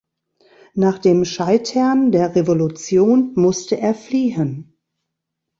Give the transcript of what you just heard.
Nach dem Scheitern der Revolution musste er fliehen.